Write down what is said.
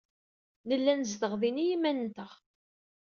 Nella nezdeɣ din i yiman-nteɣ.